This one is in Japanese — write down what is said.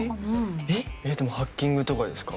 でもハッキングとかですか？